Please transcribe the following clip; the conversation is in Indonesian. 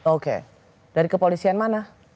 oke dari kepolisian mana